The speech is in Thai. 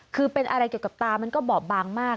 คือเป็นอะไรเกี่ยวกับตามันก็บอบบางมาก